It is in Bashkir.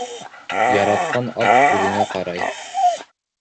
Яратҡан ат күҙеңә ҡарай.